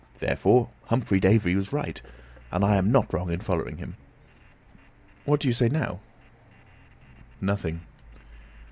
Therefore Humphry Davy was right, and I am not wrong in following him. What do you say now?" "Nothing."